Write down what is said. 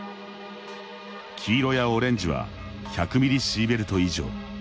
黄色やオレンジは１００ミリシーベルト以上。